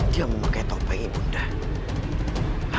dia memakai topeng ibu nanda